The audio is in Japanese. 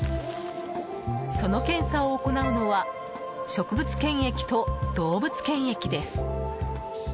その検査を行うのは植物検疫と動物検疫です。